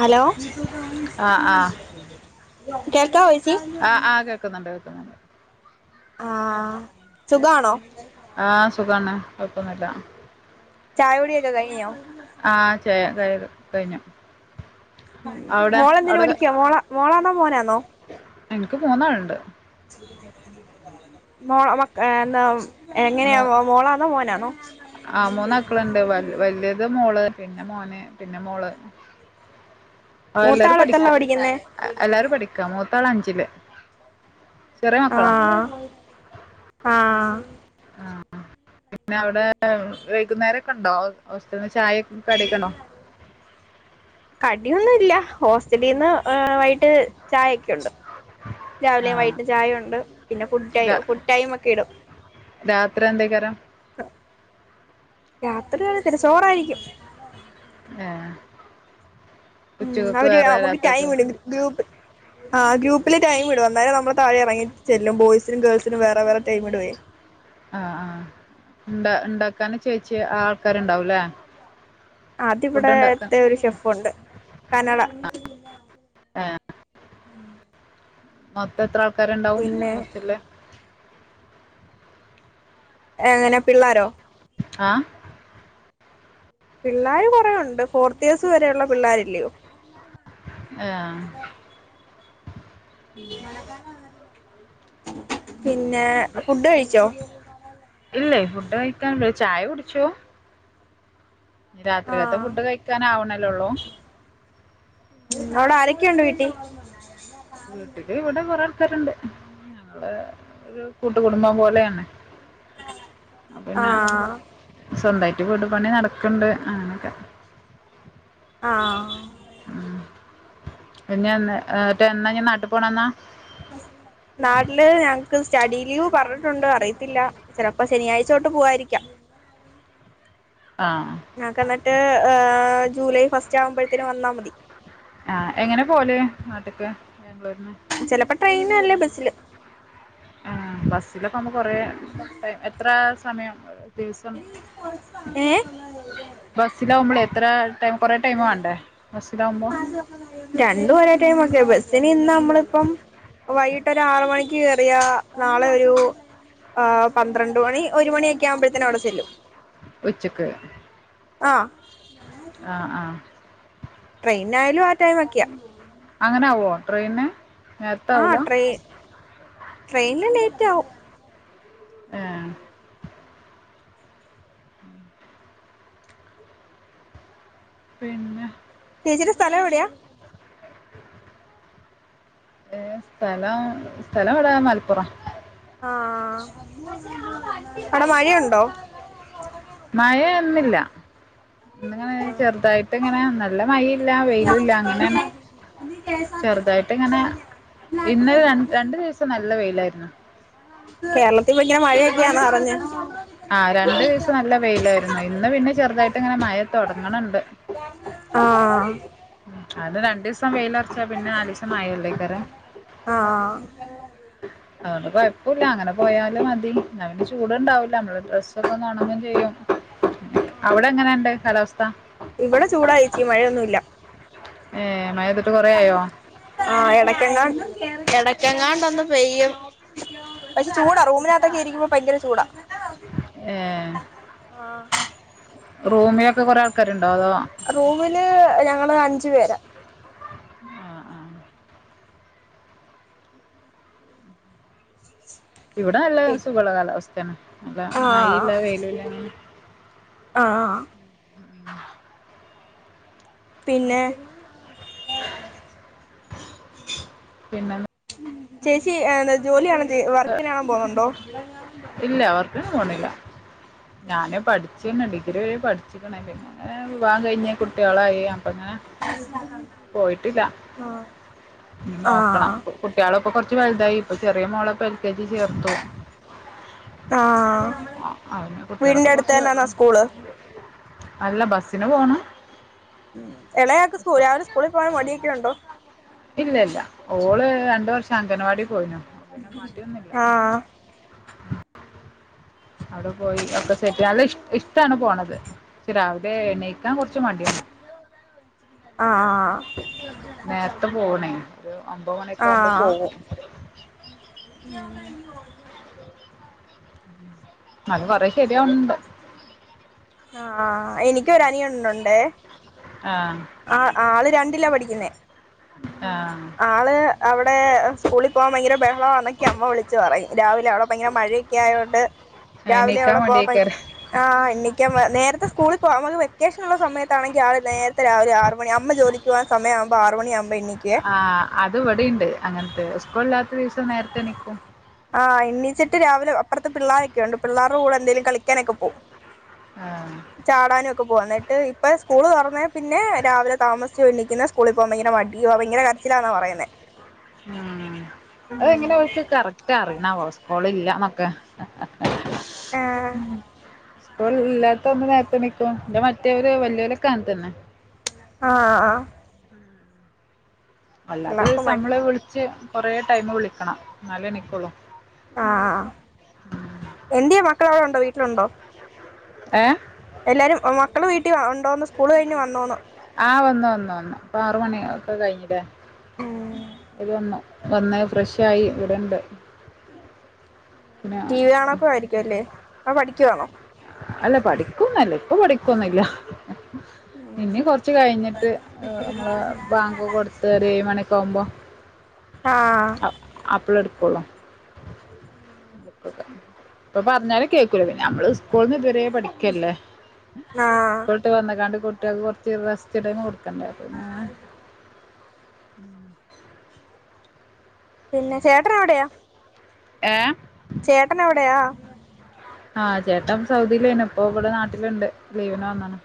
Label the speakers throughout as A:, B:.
A: Hello
B: ആഹ്
A: കേക്കായി
B: ആ് ആ കേൾക്കുന്നുണ്ട് കേൾക്കുന്നുണ്ട്
A: ആഹ സുഖാണോ
B: ആഹ സുഖാണോ കുഴപ്പൊന്നുമില്ല.
A: ചായ കുടി ഒക്കെ കഴിഞ്ഞാ
B: ചെ കഴ് കഴിഞ്ഞു അവിടെ
A: മോളെന്തിന്
B: അവിടെ
A: പഠിക്ക മോള മോളാന്നോ മോനാന്നോ
B: എനിക്ക് മൂന്നാളുണ്ട്
A: ന [unintelligible] എന്നാ എങ്ങനെയാ മോള മോനണോ
B: ആ മൂന്നക്കളുണ്ട് വല്യത് മോള് പിന്നെ മോന് പിന്നെ മോള് എല്ലാരും
A: മൂത്താളെത്രയിലാ
B: പഠിക്ക
A: പഠിക്കുന്നേ
B: എല്ലാരും പഠിക്കാം മോ ത്തളാഞ്ചില് ചെറിയ
A: ആ
B: മക്കളാ
A: ആ
B: പിന്നെ അവിടെ വൈകുന്നേരം ഒക്കെ ഉണ്ടോ അവസ്ഥ ചായ കടിക്കണോ
A: കടിയൊന്നുല്ല ഹോസ്റ്റലിൽന്ന് അ വയിട്ട് ചായ ക്കൊണ്ട് രാവിലെയും
B: ആഹ്
A: വൈകിട്ടും ചായുണ്ട് പിന്നെ ഫുഡ് ടൈ
B: രാ
A: ഫുഡ് ടൈമൊക്കെ ഇടും
B: രാത്രി എന്തേക്കാരം
A: അ രാത്രിൽത്തെതു ച്ചോറായിരിക്കും
B: അ
A: ഉം അവര് നമുക്ക് ടൈം ഉണ്ട് ഗ്രൂപ്പ് ആ ഗ്രൂപ്പില് ടൈം ഇടും അന്നാരം നമ്മള് താഴെ ഇറങ്ങി ചെല്ലും ബോയ്സിനും ഗേൾസിനും വേറെ വേറെ ടൈം ഇടുവേ
B: ആ ആ എന്താ ഉണ്ടാക്കനും ചേച്ചിയ ആ ആൾക്കാരുണ്ടാവല്ലേ
A: അതിവിടത്തെ ഒരു ഷെഫുണ്ട് കനഡ
B: ആ അതെത്ര ആൾക്കാരണ്ടാവും
A: പിന്നെ
B: ഹോസ്റ്റലില്
A: എങ്ങനെ പിള്ളോരോ
B: ആഹ്
A: പിള്ളാര് കൊറേ ഒണ്ട് ഫോർത്തിയേഴ്സ് വരെയുള്ള പിള്ളാരില്ലയോ
B: ആ
A: മണക്കണ [unintelligible] പിന്നെ ഫുഡ് കഴിച്ചോ
B: ഇല്ലേ ഫുഡ് കഴിക്കാൻ വേ ചായ കുടിച്ചു നി രാത്രിക്കത്തെ
A: ആഹ്
B: ഫുഡ് കഴിക്കാനാവണല്ലേ ഒള്ളൂ
A: അവടെ ആരൊക്കെയൊണ്ട് വീട്ടി
B: വീട്ടില് ഇവിടെ കൊറെ ആൾക്കാരുണ്ട് ഞങ്ങള് ഒരു കൂട്ട് കുടുംബം പോലെയാണ് അപ്പൊ പിന്നെ
A: ആഹ്
B: സ്വന്തായിട്ട് വീട് പണി നടക്കണ്ട് ആഹ് ഓക്കേ
A: ആഹ്
B: ഉം പിന്നെ എന്നാ ട്ട് എന്നാ നാട്ട് പോണ എന്നാ?
A: നാട്ടില് ഞ സ്റ്റഡി ലീവ് പറഞ്ഞിട്ടുണ്ട് അറിയത്തില്ല. ചെലപ്പോ ശനിയാഴ്ചോട്ട് പോവാരിക്കാം.
B: ആ
A: ഞങ്ങക്ക് എന്നിട്ട് ജൂലൈ ഫസ്റ്റ് ആവുമ്പോഴത്തേന് വന്നാ മതി.
B: ആ എങ്ങനെ പോല് നാട്ട്ക്ക്? ബാംഗ്ലൂരിന്ന്
A: ചെലപ്പോ ട്രെയിന്ന് അല്ലേ ബ സ്സ്ല്.
B: ആ ബസ്സ്ല വുമ്പോ കൊറേ എത്ര സമയം ദിവസം
A: ഏ
B: ബസിലാവ്മ്പളെ ത്ര
A: രണ്ടും ഒരേ ടൈമ് ഒക്കെയാ ബസിന് ഇന്ന് നമ്മള് ഇപ്പം വൈകിട്ട് ഒരു ആറ് മണിക്ക് കേറിയാ നാളെ ഒരു പന്ത്രണ്ട് മണി ഒരു മണിയൊക്കെ ആവുമ്പോഴത്തേന് അവിടെ ചെല്ലും.
B: ഉച്ചക്ക്
A: ആ
B: ആഹ ആഹ
A: ട്രെയിനായാലും ആ ടൈം ഒക്കെയാ
B: അങ്ങനെ ആവോ ട്രെയിന് നേരത്തെ ആവൂല
A: ആഹ് ട്ര ട്രെയിന് അലെ ആവും
B: ആഹ് പിന്നെ
A: ചേച്ചിടെ സ്ഥലം എവിടെയാ
B: ഏഹ് സ്ഥലം സ്ഥലം എവിടാ മലപ്പുറം
A: ആ അവിടെ മഴയുണ്ടോ?
B: മഴ ഇന്നില്ല ങ്ങനെ ചെറുതായിട്ട് ഇങ്ങനെ നല്ല മഴ ഇല്ല വെയിലും ഇല്ല അങ്ങനെയാണ് ചെറുതായിട്ട് ഇങ്ങനെ ഇന്ന് രണ്ടു ദിവസം നല്ല വെയിലായിരുന്നു
A: കേരളത്തിൽ ഭയങ്കര മഴയൊക്കെയാന്ന പറഞ്ഞെ
B: ആഹ് രണ്ടു ദിവസം നല്ല വെയിലായിരുന്നു ഇന്ന് പിന്നെ ചെറുതായിട്ട് ഇങ്ങനെ മഴ തോടങ്ങണുണ്ട്
A: ആഹ്
B: അത് രണ്ടു ദിവസം വെയിലുറച്ചാൽ പിന്നെ നാല് ദിവസം മഴ അല്ലെ [unintelligible]
A: ആഹ്
B: അതോണ്ട് കൊഴപ്പം ഇല്ല അങ്ങനെ പോയാലും മതി നമ്മക്ക് ചൂട് ഉണ്ടാവില്ല നമ്മടെ ഡ്രസ്സ് ഒക്കെ ഒന്ന് ഉണങ്ങുകേം ചെയ്യും അവിടെ എങ്ങനെയുണ്ട് കാലാ താ
A: ഇവിടെ ചൂടാ ചേച്ചി മഴയൊന്നുമില്ല
B: ഏഹ് മഴ പെ
A: ആ എടക്കെങ്ങാട് എടക്കങ്ങാണ്ട് ഒന്ന് പെയ്യും പക്ഷെ ചൂടാ റൂമിനകത്തൊക്കെ ഇരിക്കുമ്പോ ഭയങ്കര ചൂടാ
B: [unintelligible] ഏ റൂമിലൊക്കെ കുറെ ആൾക്കാരു
A: റൂമില് ഞങ്ങള് അഞ്ചു പേരാ
B: ആഹ് ഇവിടെ അല്ല
A: പി
B: സുഖള്ള കാലാവസ്ഥ തന്നെ ല്ല
A: ആ
B: മഴയില്ല വെയിലില്ല അങ്ങനെ
A: ആ ആ പിന്നെ
B: [inaudible] പിന്നെ
A: ചേച്ചി ജോലിയാണോ വർക്കിന പോന്നുണ്ടോ [inaudible]
B: ഇല്ല പോണില്ല ഞാന് പഠിച്ചീന് ഡിഗ്രി വരെ പഠി ചിക്കൻ നയ്ൻടീസ് പോവാൻ കഴിഞ് കുട്ടികളായി അപ്പങ്ങനെ പോയിട്ടില്ല
A: ആ
B: നോക്കണം കുട്ടികള ഇപ്പ കുറച്ച് വലുതായി ഇപ്പൊ ചെറിയ മോള് എ ൽ കെ ജി ചേർത്തു
A: ആ
B: [inaudible] അ അതിന് കുട്ടികളൊക്കെ
A: വീടിന്റെ അടുത്ത്
B: കൊറച്ചു
A: തന്നെയാണോ സ്കൂള്
B: അല്ല ബസിന്പോണം
A: ഇളയാക്ക് സ്കൂ രാവിലെ സ്കൂളിൽ പോകാൻ മടിയൊക്കെയുണ്ടോ.
B: ഒരു വർഷം അംഗൻവാടി പോയീഞ്ഞ
A: [unintelligible] ആ
B: അവിടെ പോയി ഒക്കെ സെറ്റ് അവിടെ ഇഷ് ഇഷ് ഇത്താണ് പോണത് ഇന്ന് രാവിലെ എണീക്കാൻ കുറച്ച് മടിയാണ് [inaudible]
A: ആ ആ
B: പോണേ ഒമ്പത് മണിയക്കെ ആവുമ്പോ പോവും
A: ഞങ്ങളിപ്പോ [unintelligible]
B: അത് കൊറേ ശരിയാവണണ്ട്
A: ആ എനിക്കൊരു അനിയൻ ഉണ്ട് ഉണ്ടെ
B: ആഹ്
A: ആ ആള് പഠിക്കുന്നെ
B: ആഹ്
A: ആള് അവിടെ സ്കൂളിൽ പോകാൻ ഭയങ്കര ബഹളവ എന്നൊക്കെ അമ്മ വിളിച്ചു പറയും രാവിലെ അവിടെ ഭയങ്കര മഴയൊക്കെ ആയോണ്ട് രാവിലെ
B: എണീക്കാൻ
A: അവിടെ പോവാൻ പ
B: മടിയേക്കാരം
A: ആ എണീ ക്കാൻ മ നേരത്തെ സ്കൂളിൽ പോവാൻ അവക്ക് വെക്കേഷനുള്ള സമയ ത്താണെങ്കിൽ ആള് നേരത്തെ രാവിലെ ആറ് മണി അമ്മ ജോലിക്ക് പോവാൻ സമയം ആവുമ്പോ ആറ് മണിയാവുമ്പോ എണീക്കുവേ.
B: ആഹ് ത്ത ദിവസം നേരത്തെ എണീക്കും.
A: ആഹ് ഇണീച്ചിട്ട് രാവിലെ അപ്പുറത്ത് പിള്ളാരൊക്കെയുണ്ട് പിള്ളാരുടെ കൂടെ എന്തേലും കളിക്കാനൊക്കെ പോവും.
B: ആഹ്
A: ക്കെ പോവും എന്നിട്ട് ഇപ്പ സ്കൂള് തുറന്നേ പിന്നെ രാവിലെ താമസിച്ചും എണീക്ക്ന്ന് സ്കൂളി പോവാൻ ഭയങ്കര മടിയുവ ഭയങ്കര കരച്ചിലാന്ന പറയ്ന്നേ.
B: ഉം അത് എങ്ങനെ ഓൽക്ക് കറക്റ്റ് അറിയണാവോ സ്കൂള് ഇല്ല ന്നൊക്കെ
A: ആഹ്
B: സ്കൂൾ ഇല്ലാത്ത അന്ന് നേരത്തെ എണീക്കും ഇൻ്റെ മറ്റോരും വല്യോലും ഒക്കെ അങ്ങനെ തന്നെ
A: ആ ആ
B: അല്ലാത്ത ദിവസം
A: മടി
B: നമ്മള് വിളിച്ച് കൊറേ ടൈമ് വിളിക്കണം ന്നാലെ എണീക്കോളൂ
A: ആ എന്ത്യേ മക്കൾ അവിടെ ഉണ്ടോ വീട്ടിലുണ്ടോ
B: ഏ
A: എല്ലാരും മക്കള് വീട്ടിൽ ഉണ്ടോന്ന് സ്കൂള് കഴിഞ്ഞ് വന്നോന്ന്
B: ആ വന്നു വന്നു വന്നു ഇപ്പൊ ആറു മണി ഒക്കെ കഴിഞ്ഞിലേ ഓല് വന്നു വന്ന് ഫ്രഷ് ആയി ഇവിടെണ്ട്
A: ഉം
B: പിന്നെ
A: ടി വി കാണുവൊക്കെ ആയിരിക്കും അല്ലേ അതോ പഠിക്കുവാണോ?
B: അല്ല പഠിക്കൊന്നല്ല ഇപ്പൊ പഠിക്കൊന്നുല്ല ഇനി കൊറച്ച് കഴിഞ്ഞിട്ട് ഏ നമ്മളെ ബാങ്ക് കൊടുത്ത് ഒരു ഏഴ് മണി ഒക്കെ ആവുമ്പോ
A: ആഹ്
B: അ അപ്പഴെടു ക്കുള്ളൂ ബുക്കൊക്കെ ഇപ്പൊ പറഞ്ഞാലും കേക്കൂല പിന്നെ ഞമ്മള് ഉസ് സ്കൂൾന്ന് ഇതുവരെ പഠിക്കല്ലേ?
A: ആഹ്
B: സ്കൂള് വിട്ട് വന്ന്ക്കാണ്ട് കു ട്ടിയേക്ക് കൊറച്ച് റെസ്റ്റ് ടൈമ് കൊടു ക്കണ്ടെ പിന്നെ ഉം
A: പിന്നെ ചേട്ടൻ എവിടെയാ?
B: ഏഹ്
A: ചേട്ടൻ എവിടെയാ?
B: ആഹ് ചേട്ടൻ സൗദിയിലേനു ഇപ്പൊ ഇവിടെ നാട്ടില്ണ്ട് ലീവിന് വന്നാണ്.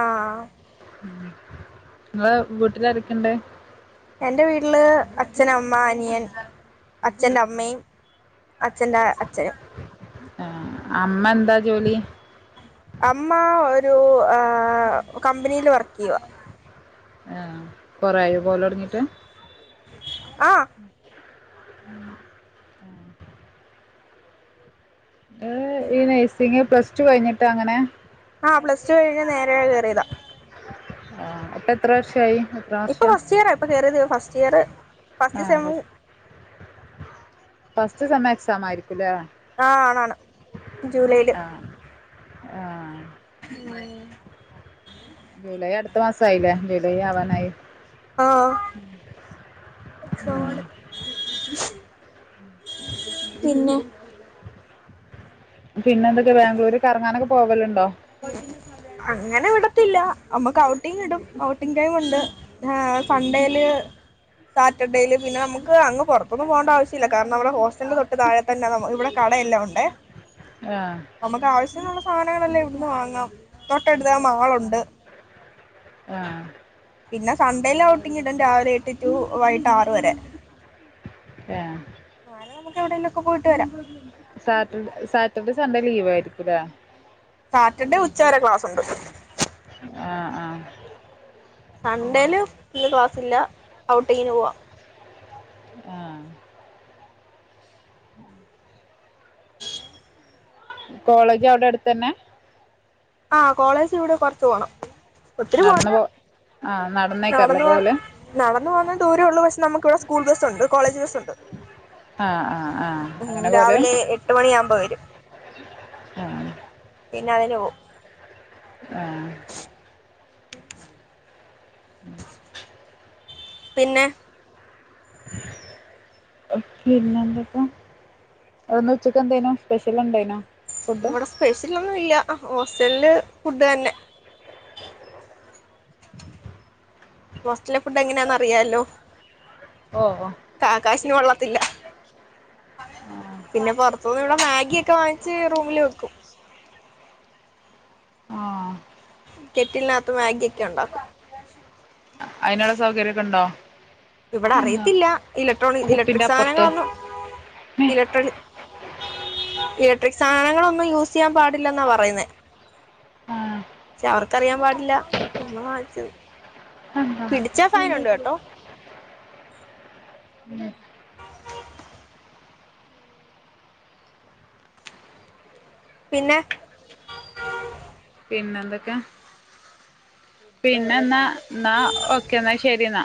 A: ആഹ് ആഹ്
B: ഉം ഇങ്ങളെ വീട്ടിലാരൊക്കെണ്ട്?
A: എൻ്റെ വീട്ടില് അച്ഛൻ അമ്മ അനിയൻ അച്ഛന്റെ അമ്മയും അച്ഛന്റെ അച്ഛനും.
B: ആ അമ്മ എന്താ ജോലി?
A: അമ്മ ഒരു ആ കമ്പനില് വർക്ക് ചെയ്യുവാ.
B: ആ കൊറായി പോവല് തൊടങ്ങീട്ട്?
A: ആഹ്
B: ഏ ഈ നഴ്സിംഗ് പ്ലസ് ടു കഴിഞ്ഞിട്ട് അങ്ങനെ
A: ആ പ്ലസ് ടു കഴിഞ്ഞ് നേരെ കേറിതാ.
B: അപ്പ എത്ര വർഷായി? എത്ര
A: ഇപ്പ
B: വർഷാ
A: ഫസ്റ്റ് ഇയറാ, ഇപ്പ കയറിയതെ ഫസ് റ്റിയറ് ഫസ്റ്റ്
B: ആഹ്
A: സെമ്മു
B: ഫസ്റ്റ് സെമ്മ് എക്സാമായിരി
A: ആ ആണ് ആണ് ജൂലൈയില്.
B: ആ
A: മ്
B: ജൂലൈ അടുത്ത മാസായില്ലേ, ജൂലൈ ആവാനായി.
A: ആ
B: ആഹ്
A: പിന്നെ
B: പിന്നെ എന്തൊക്കെ ബാംഗ്ലൂര് കറങ്ങാനൊക്കെ പോവലിണ്ടോ?
A: ത്തില്ല, നമ്മക്ക് ഔട്ടിംഗ് ഇടും, ഔട്ടിങ് ടൈം ഒണ്ട്, ഏ സൺണ്ടേയില് സാറ്റർഡേയില് പിന്നെ നമുക്ക് അങ്ങ് പൊറത്തൊന്നും പോകണ്ട ആവശ്യല്ല, കാരണം നമ്മടെ ഹോസ്റ്റലിന്റെ തൊട്ട് താഴെ തന്നെ നമ്മ ഇവിടെ കടയെല്ലാം ഉണ്ടേ.
B: ആ
A: നമുക്ക് ആവശ്യത്തിനുള്ള സാധനങ്ങളല്ലാം ഇവിടുന്ന് വാങ്ങാം തൊട്ടടുത്ത് ദാ മാളൊണ്ട്.
B: ആ
A: പിന്നെ സൺണ്ടേയില് ഔട്ടിങ്ങിടും രാവിലെ എട്ട് ടു വൈകിട്ട് ആറ് വരെ.
B: ഏഹ്
A: നാളെ നമുക്ക് എവിടേലും ഒക്കെ പോയിട്ട് വരാം.
B: Saturday Saturday Sunday leave ആയിരിക്കൂലേ.
A: സാറ്റർഡേ ഉച്ചവരെ ക്ലാസ്സുണ്ട്
B: ആ ആ
A: സൺണ്ടേയില് പിന്നെ ക്ലാസ്സില്ല. ഔട്ടിങ്ങിന് പോവാം
B: ആ കോളേജ് അവിടെ അടുത്തന്നെ.
A: ആ കോളേജ് ഇവിടെ കൊറച്ച് പോണം. ഒത്തിരി പോണ്ട.
B: നടന്ന് പോ ആഹ് നടന്നേക്കാറല്ലേ
A: നടന്ന് പോകാൻ
B: പോവല്
A: നടന്ന് പോവുന്ന ദൂരേ ഉള്ളു പക്ഷെ നമുക്ക് ഇവിടെ സ്കൂൾ ബസ്സുണ്ട് കോളേജ് ബസ്സുണ്ട്.
B: ആഹ് ആഹ് ആഹ്
A: ഉം
B: അങ്ങനെ പോവല്
A: രാവിലെ എട്ട് മണി ആവുമ്പോ വരും
B: ആ
A: പിന്നതിന് പോവും.
B: ആ ഉം
A: പിന്നെ
B: പിന്നെ എന്തൊക്ക ഇന്ന് ഉച്ചക്ക് എന്തേനു സ്പെഷ്യൽ ഉണ്ടേനോ?
A: ഇവിടെ സ്പെഷ്യലൊന്നു ഇല്ല ഹോസ് റ്റല്ല് ഫുഡ് തന്നെ ഹോസ്റ്റലെ ഫുഡ് എങ്ങനാന്ന് അറിയാലോ
B: ഓ ഓ
A: കാക്കാശിന് കൊള്ള ത്തില്ല പിന്നെ പൊറത്തൂന്ന് ഇവടെ മേഗി ഒക്കെ വാങ്ങിച്ച് റൂമില് വെക്കും
B: ആഹ്
A: കെറ്റിലിനാത്ത് മാഗി ഒക്കെ ഒണ്ടാക്കും.
B: ഐനിള്ള സൗകര്യക്കെണ്ടോ?
A: ഇവിടെ അറിയത്തില്ല ഇലക്ട്രോണിക്
B: കുപ്പിന്റെ
A: ഇലക്ട്രിക്
B: അപ്പുറത്ത്
A: സാധനങ്ങളൊന്നും
B: മേ
A: ഇലക്ട്രോണിക് ഇലക്ട്രിക് സാധനങ്ങളൊന്നും യൂസ് ചെയ്യാൻ പാടില്ലെന്നാ പറയുന്നേ
B: ആഹ്
A: പക്ഷെ അവർക്കറിയാൻ പാടില്ല ഞങ്ങള് വാങ്ങിച്ചത് പിടിച്ചാ ഫൈനുണ്ട് കേട്ടോ
B: [inaudible] മ്
A: പിന്നെ
B: പിന്നെ എന്തൊക്കെ പിന്നെന്നാ ന്നാ ഓക്കേ ന്നാ ശെരി ന്നാ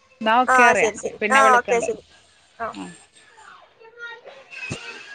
B: [inaudible]
A: ആ ശരി ശരി ആഹ് ഓക്കെ ശരി ആ